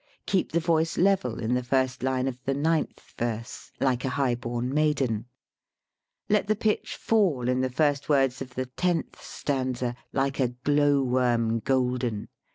Keep the voice level in the first line of the ninth verse, "like a high born maiden." Let the pitch fall in the first words of the tenth stanza, "like a glowworm golden."